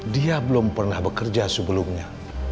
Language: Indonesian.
dia belum pernah bekerja sebelumnya